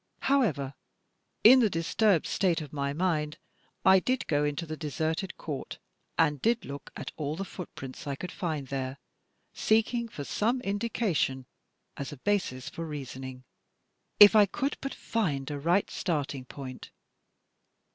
However, in the disturbed state of my mind, I did go into the FOOTPRINTS AND FINGERPRINTS I9I deserted court and did look at all the footprints I cotild find there, seeking for some indication, as a basis for reasoning. "If I could but find a right starting point!